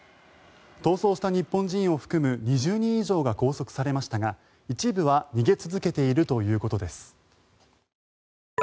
逃走した日本人を含む２０人以上が拘束されましたが一部は逃げ続けているということです。